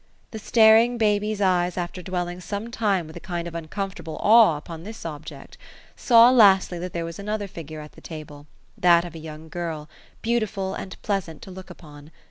The staring baby's eyes after dwell ing sometime with a kind of uncomfortable awe upon this object, saw, lastly, that there was another figure at the table. — that of a young girl, beautiful and pleasant to look upon.